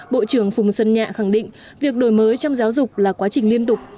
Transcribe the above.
bộ trưởng phùng xuân nhạ khẳng định việc đổi mới trong giáo dục là quá trình liên tục